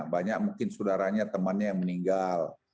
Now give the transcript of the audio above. banyak mungkin saudaranya temannya yang meninggal